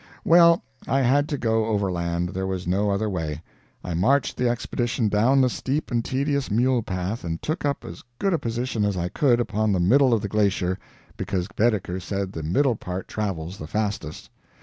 Well, I had to go overland there was no other way. I marched the Expedition down the steep and tedious mule path and took up as good a position as I could upon the middle of the glacier because Baedeker said the middle part travels the fastest.